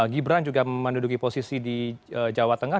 gibran juga menduduki posisi di jawa tengah